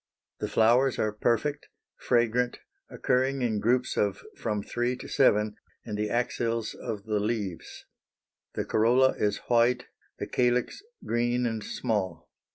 The flowers are perfect, fragrant, occurring in groups of from three to seven in the axils of the leaves. The corolla is white, the calyx green and small.